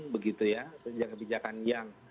begitu ya kebijakan kebijakan yang